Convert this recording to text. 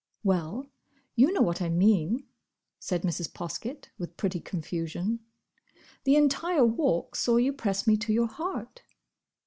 "Well, you know what I mean," said Mrs. Poskett, with pretty confusion. "The entire Walk saw you press me to your heart!"